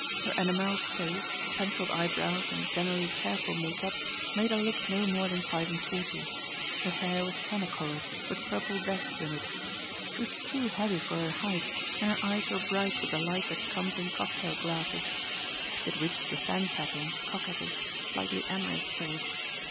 Her enameled face, penciled eyebrows and generally careful make up made her look no more than five and forty. Her hair was henna colored, with purple depths in it. She was too heavy for her height and her eyes were bright with the light that comes in cocktail glasses. She had reached the fan tapping, coquettish, slightly amorous stage.